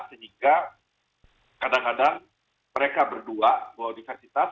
sehingga kadang kadang mereka berdua bahwa universitas